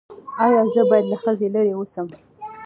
ایا زه باید له ښځې لرې اوسم؟